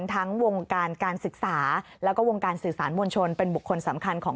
ทั้งวงการการศึกษาแล้วก็วงการสื่อสารมวลชนเป็นบุคคลสำคัญของ